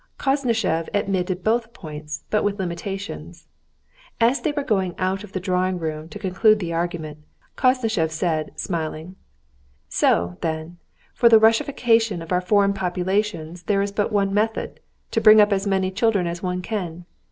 Koznishev admitted both points, but with limitations. As they were going out of the drawing room to conclude the argument, Koznishev said, smiling: "So, then, for the Russification of our foreign populations there is but one method—to bring up as many children as one can.